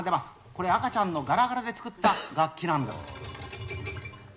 これ、赤ちゃんのがらがらで作った楽器なんです。